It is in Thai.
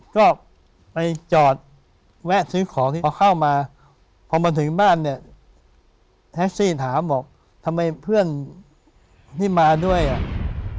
ก็ไปจอดแวะซื้อของที่พอเข้ามาพอมาถึงบ้านเนี่ยแท็กซี่ถามบอกทำไมเพื่อนที่มาด้วยอ่ะ